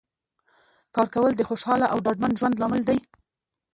کار کول د خوشحاله او ډاډمن ژوند لامل دی